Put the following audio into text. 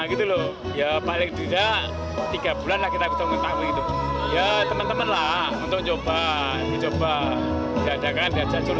diatakan diadakan jalan jalan jalan